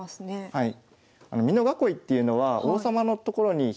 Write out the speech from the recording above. はい。